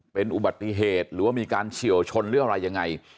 เป็นอุบัติเหตุหรือว่ามีการเฉียวชนหรืออะไรยังไง